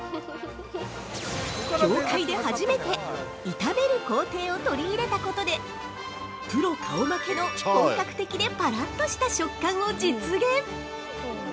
業界で初めて炒める工程を取り入れたことでプロ顔負けの本格的でパラッとした食感を実現！